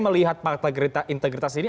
melihat pakta integritas ini